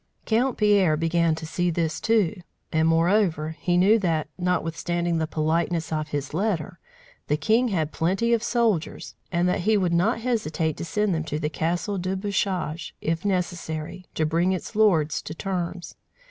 Count Pierre began to see this, too; and, moreover, he knew that, notwithstanding the politeness of his letter, the king had plenty of soldiers, and that he would not hesitate to send them to the Castle de Bouchage, if necessary, to bring its lord to terms.